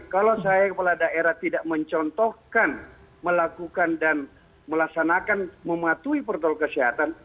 kalau saya kepala daerah tidak mencontohkan melakukan dan melaksanakan mematuhi protokol kesehatan